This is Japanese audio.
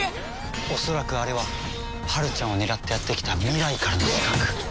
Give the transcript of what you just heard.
恐らくあれははるちゃんを狙ってやって来た未来からの刺客。